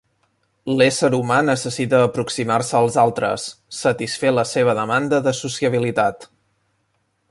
L'ésser humà necessita aproximar-se als altres, satisfer la seva demanda de sociabilitat.